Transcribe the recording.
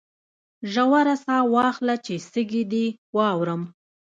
ژوره ساه واخله چې سږي دي واورم